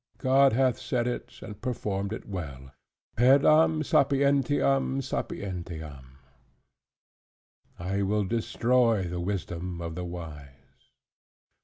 God hath said it and performed it ever: "Perdam sapientiam sapientum"; "I will destroy the wisdom of the wise."